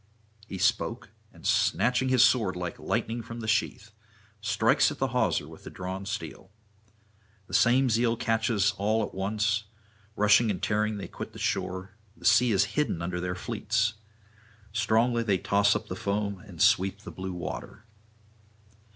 He spoke, and snatching his sword like lightning from the sheath, strikes at the hawser with the drawn steel. The same zeal catches all at once; rushing and tearing they quit the shore; the sea is hidden under their fleets; strongly they toss up the foam and sweep the blue water.